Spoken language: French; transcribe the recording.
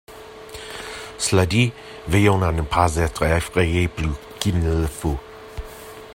Cela dit, veillons à ne pas être effrayés plus qu’il ne le faut.